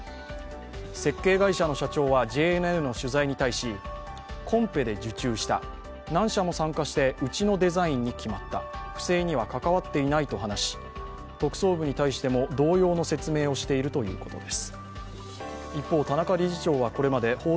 設計会社の社長はＪＮＮの取材に対し、コンペで受注した、何社も参加してうちのデザインに決まった、不正には関わっていないと話し、特捜部に対しても同様の説明をしているということです。